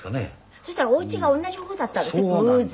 そしたらお家が同じ方だったんですって？